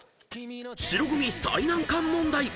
［白組最難関問題］